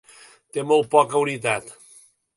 Té molt poca unitat.